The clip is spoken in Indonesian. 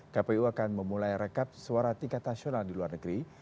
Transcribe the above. kpu akan memulai rekap suara tingkat nasional di luar negeri